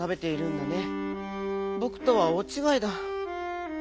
ぼくとはおおちがいだ。